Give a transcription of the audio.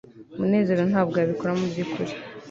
munezero ntabwo yabikora mubyukuri